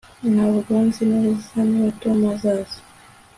Ntabwo nzi neza niba Tom azaza